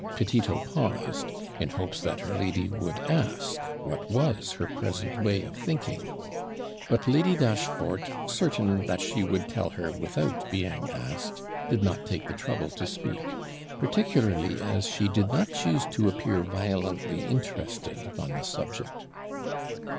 Petito paused, in hopes that her lady would ask, what was her present way of thinking? But Lady Dashfort, certain that she would tell her without being asked, did not take the trouble to speak, particularly as she did not choose to appear violently interested on the subject.